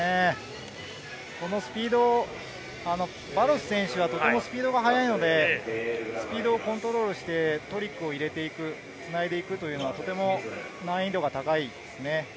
このスピード、バロス選手はスピードが速いので、スピードをコントロールしてトリックを入れていく、つないでいくというのは、とても難易度が高いですね。